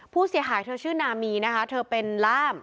ผู้เสียหายเธอชื่อนามีนะคะเธอเป็นล่าม